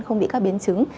không bị các biến chứng